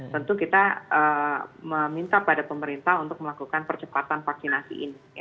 tentu kita meminta pada pemerintah untuk melakukan percepatan vaksinasi ini